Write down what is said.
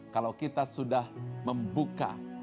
kalau kita sudah membuka